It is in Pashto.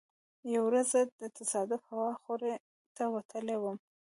یوه ورځ زه تصادفا هوا خورۍ ته وتلی وم.